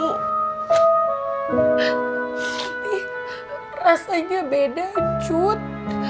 tapi rasanya beda cut